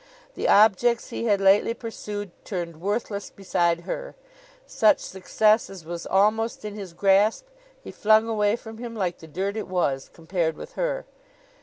The objects he had lately pursued, turned worthless beside her; such success as was almost in his grasp, he flung away from him like the dirt it was, compared with her.